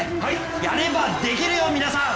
やればできるよ、皆さん！